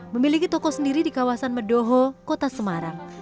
memiliki toko sendiri di kawasan medoho kota semarang